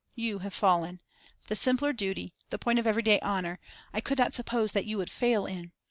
You have fallen. The simpler duty, the point of every day honour, I could not suppose that you would fail in.